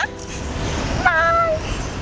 สวัสดีครับทุกคน